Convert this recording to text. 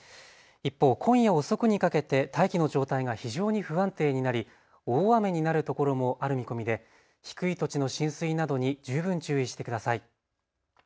一方、今夜遅くにかけて大気の状態が非常に不安定になり大雨になる所もある見込みで低い土地の浸水などに十分注意してください。